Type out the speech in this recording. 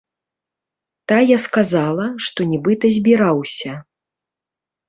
Тая сказала, што нібыта збіраўся.